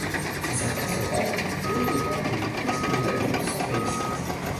Si certains se rendent, d'autres tentent de continuer la lutte sans réussite.